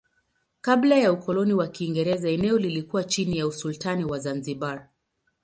Kabla ya ukoloni wa Kiingereza eneo lilikuwa chini ya usultani wa Zanzibar.